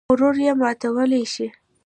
غرور یې ماتولی شي.